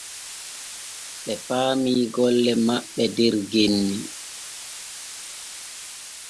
Ɓe paami golle maɓɓe der genni.